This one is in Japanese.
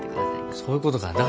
そういうことか。